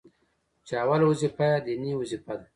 چي اوله وظيفه يې ديني وظيفه ده،